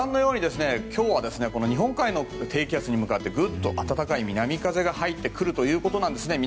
今日は日本海の低気圧に向かってぐっと暖かい南風が入ってくるということです。